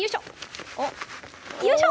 よいしょ！